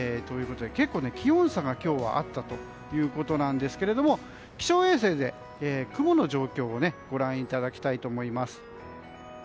結構、気温差が今日はあったということなんですが気象衛星で雲の状況をご覧いただきたいと思います。